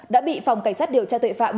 đã bị phòng cảnh sát điều tra tội phạm